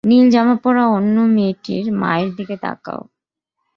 নীল জামা পড়া অন্য মেয়েটির মায়ের দিকে তাকাও।